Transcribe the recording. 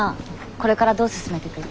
これからどう進めていく？